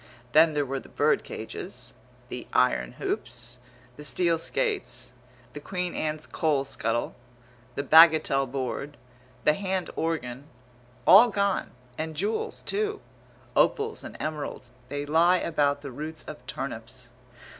Then there were the bird cages, the iron hoops, the steel skates, the Queen Anne coal scuttle, the bagatelle board, the hand organ all gone, and jewels, too. Opals and emeralds, they lie about the roots of turnips.